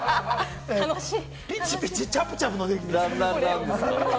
ピチピチチャプチャプです。